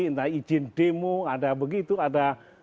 entah izin demo ada begitu ada